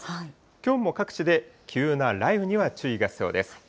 きょうも各地で急な雷雨には注意が必要です。